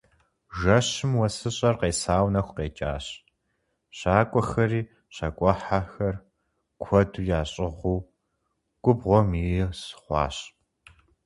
Жэщым уэсыщӀэр къесауэ нэху къекӀащ, щакӀуэхэри, щакӀухьэхэр куэду ящӀыгъуу, губгъуэм из хъуащ.